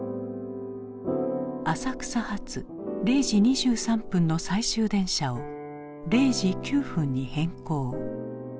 浅草発０時２３分の最終電車を０時９分に変更。